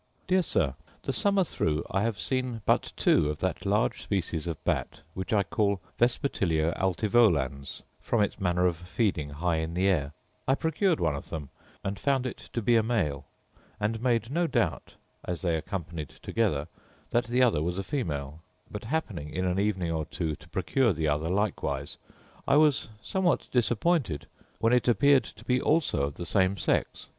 Dear Sir, The summer through I have seen but two of that large species of bat which I call vespertilio altivolans, from its manner of feeding high in the air: I procured one of them, and found it to be a male; and made no doubt, as they accompanied together, that the other was a female: but, happening in an evening or two to procure the other likewise, I was somewhat disappointed, when it appeared to be also of the same sex.